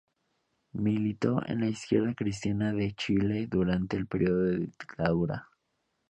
Militó en la Izquierda Cristiana de Chile, durante el periodo de dictadura.